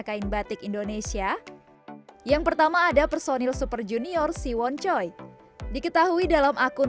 kain batik indonesia yang pertama ada personil super junior siwon choi diketahui dalam akun